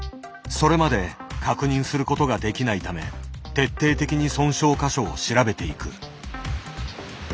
それまで確認することができないため徹底的に損傷箇所を調べていく。